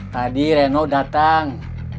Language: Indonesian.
tadi reno datang